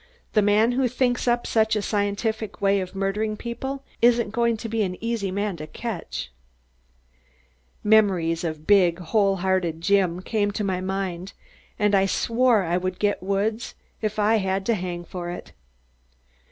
"The man who thinks up such a scientific way of murdering people isn't going to be an easy man to catch." Memories of big whole hearted Jim came to my mind and I swore I would get Woods if I had to hang for it.